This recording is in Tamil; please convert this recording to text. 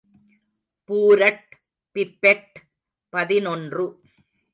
பூரட் பிப்பெட் பதினொன்று .